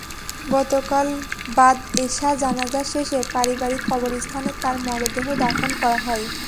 গতকাল বাদ এশা জানাজা শেষে পারিবারিক কবরস্থানে তাঁর মরদেহ দাফন করা হয়।